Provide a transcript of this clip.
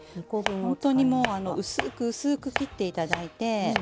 ほんとにもう薄く薄く切っていただいて。